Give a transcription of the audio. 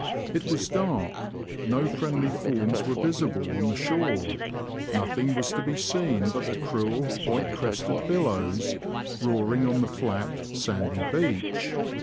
It was dark ; no friendly forms were visible on the shore ; nothing was to be seen but the cruel, white crested billows, roaring on the flat, sandy beach.